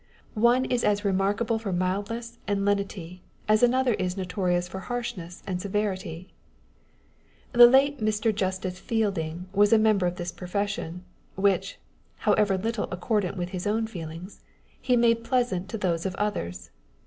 One is as remarkable for mildness and lenity as another is notorious for 'harshness and severity. â€¢ The late Mr. Justice Fielding was a member of this profession, which (however little accordant with his own feelings) he made pleasant to those of others.